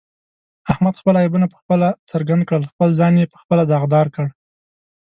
احمد خپل عیبونه په خپله څرګند کړل، خپل ځان یې په خپله داغدارکړ.